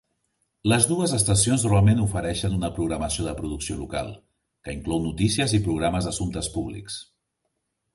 Les dues estacions normalment ofereixen una programació de producció local, que inclou notícies i programes d'assumptes públics.